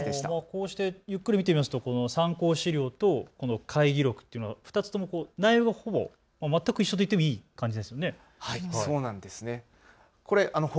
こうしてゆっくり見てみると参考資料と会議録というのは２つとも内容、ほぼ全く一緒と言っていいくらい一緒ですね。